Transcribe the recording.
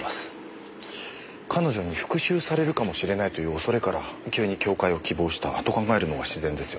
彼女に復讐されるかもしれないという恐れから急に教誨を希望したと考えるのが自然ですよね。